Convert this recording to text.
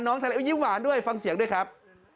น้องทาละยิ้มหวานด้วยฟังเสียงด้วยครับ